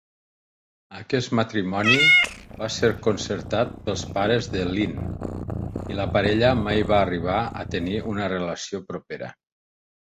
Aquest matrimoni va ser concertat pels pares del Lin i la parella mai va arribar a tenir una relació propera.